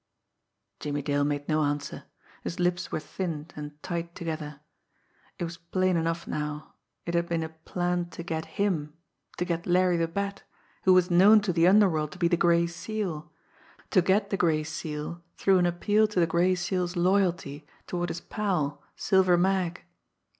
Jimmie Dale made no answer. His lips were thinned and tight together. It was plain enough now. It had been a plant to get him to get Larry the Bat, who was known to the underworld to be the Gray Seal to get the Gray Seal through an appeal to the Gray Seal's loyalty toward his pal, Silver Mag!